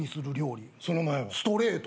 「ストレート！」